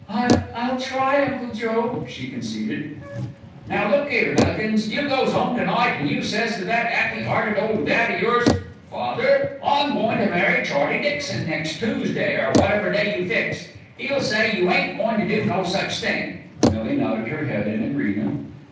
"I'll I'll try, Uncle Joe," she conceded. "Now look 'ere, Millikins, you goes 'ome to night and you says to that 'appy 'earted ole dad o' yours 'Father, I'm goin' to marry Charlie Dixon next Toosday,' or whatever day you fix. 'E'll say you ain't goin' to do no such thing." Millie nodded her head in agreement.